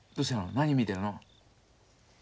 何見てるの？